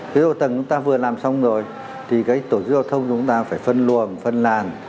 cái hạ tầng chúng ta vừa làm xong rồi thì cái tổ chức giao thông chúng ta phải phân luồng phân làn